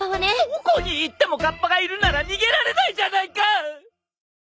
どこに行ってもかっぱがいるなら逃げられないじゃないか！